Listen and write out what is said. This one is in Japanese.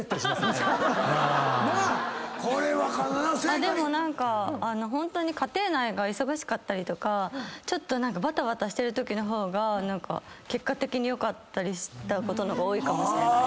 でも何かホントに家庭内が忙しかったりとかちょっと何かバタバタしてるときの方が結果的に良かったことの方が多いかもしれない。